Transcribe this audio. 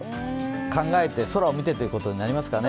考えて、空を見てということになりますかね。